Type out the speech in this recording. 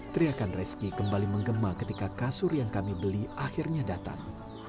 teriakan rezeki kembali menggema ketika kasur yang kami beli akhirnya datang